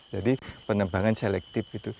jadi penebangan selektif gitu